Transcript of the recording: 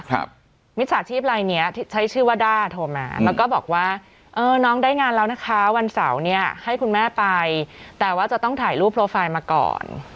มิจฉาชีพลายเนี้ยใช้ชื่อว่าด้าโทรมาแล้วก็บอกว่าเออน้องได้งานแล้วนะคะวันเสาร์เนี่ยให้คุณแม่ไปแต่ว่าจะต้องถ่ายรูปโปรไฟล์มาก่อน